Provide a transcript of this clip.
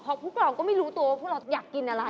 เพราะพวกเราก็ไม่รู้ตัวว่าพวกเราอยากกินอะไร